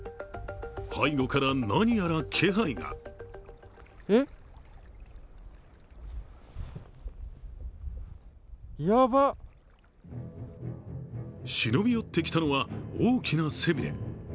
背後から、何やら気配が忍び寄ってきたのは大きな背びれ。